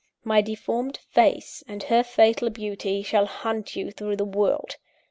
My deformed face and her fatal beauty shall hunt you through the world.